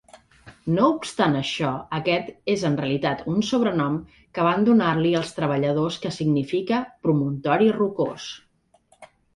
No obstant això, aquest és en realitat un sobrenom que van donar-li els treballadors que significa "promontori rocós".